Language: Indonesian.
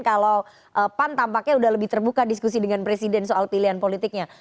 kalau pan tampaknya sudah lebih terbuka diskusi dengan presiden soal pilihan politiknya